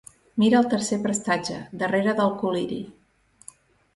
Mira al tercer prestatge, darrere del col·liri.